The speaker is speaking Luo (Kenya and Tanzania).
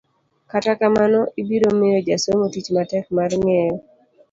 kata kamano, ibiro miyo jasomo tich matek mar ng'eyo